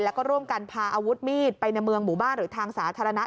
แล้วก็ร่วมกันพาอาวุธมีดไปในเมืองหมู่บ้านหรือทางสาธารณะ